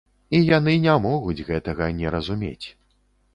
І яны не могуць гэтага не разумець.